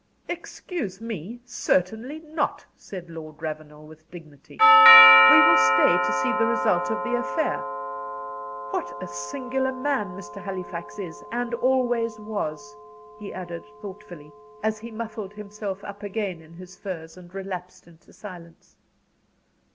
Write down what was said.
"Excuse me certainly not," said Lord Ravenel, with dignity. "We will stay to see the result of the affair. What a singular man Mr. Halifax is, and always was," he added, thoughtfully, as he muffled himself up again in his furs, and relapsed into silence.